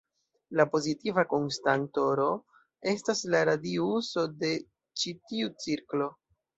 La pozitiva konstanto "r" estas la radiuso de ĉi tiu cirklo.